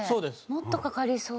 もっとかかりそう。